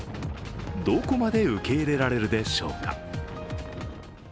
どこまで受け入れられるでしょうか。